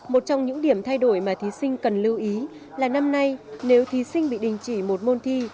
một trong những điểm thay đổi mà thí sinh cần lưu ý là năm nay nếu thí sinh bị đình chỉ một môn thi